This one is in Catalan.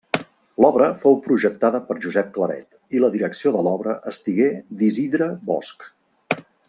L'obra fou projectada per Josep Claret i la direcció de l'obra estigué d'Isidre Bosch.